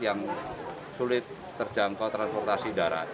yang sulit terjangkau transportasi darat